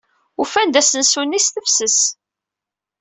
Ufan-d asensu-nni s tefses.